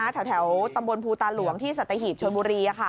แถวตำรวจมาโทรคุณตลอท